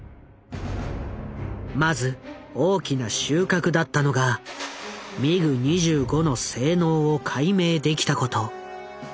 まず大きな収穫だったのがミグ２５の性能を解明できたこと。